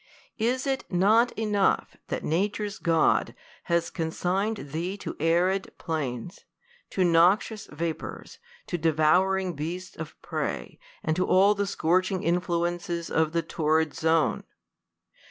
Is it not enough that nature's God has consigned thee to arid plains, to noxious vapours, to devouring beasts of prey, and to all the scorching influences of the torrid zone